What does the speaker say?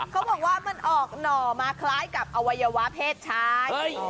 เขาบอกว่ามันออกหน่อมาคล้ายกับอวัยวะเพศชาย